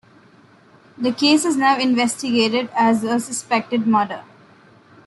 The case is now investigated as a suspected murder.